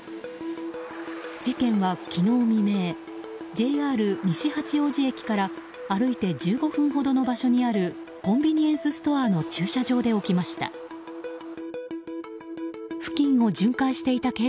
事件は昨日未明ＪＲ西八王子駅から歩いて１５分ほどの場所にあるコンビニエンスストアの駐車場で起きました。